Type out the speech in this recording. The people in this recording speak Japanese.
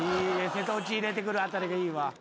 瀬戸内入れてくるあたりがいいわ。